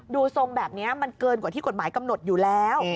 ทรงแบบนี้มันเกินกว่าที่กฎหมายกำหนดอยู่แล้ว